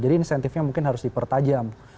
jadi insentifnya mungkin harus dipertajam